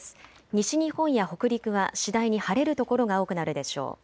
西日本や北陸は次第に晴れる所が多くなるでしょう。